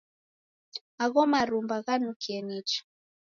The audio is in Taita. Agho marumba ghanukie nicha.